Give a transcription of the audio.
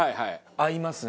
合いますね